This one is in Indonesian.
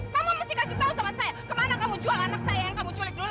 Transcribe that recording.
kamu mesti kasih tahu sama saya kemana kamu jual anak saya yang kamu culik dulu